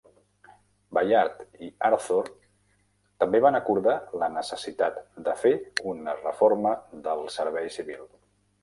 Bayard i Arthur també van acordar la necessitat de fer una reforma del servei civil.